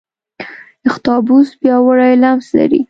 اختاپوس پیاوړی لمس لري.